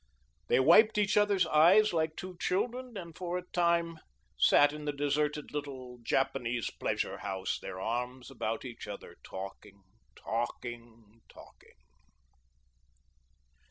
They wiped each other's eyes like two children and for a long time sat in the deserted little Japanese pleasure house, their arms about each other, talking, talking, talking.